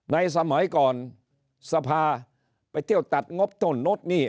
สมัยก่อนสภาไปเที่ยวตัดงบต้นโนดนี่